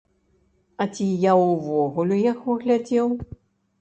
А ці я ўвогуле яго глядзеў?